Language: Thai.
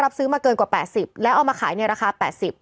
ซื้อมาเกินกว่า๘๐แล้วเอามาขายในราคา๘๐บาท